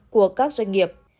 của các doanh nghiệp